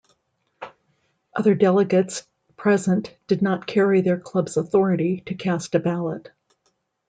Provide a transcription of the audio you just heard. Other delegates present did not carry their club's authority to cast a ballot.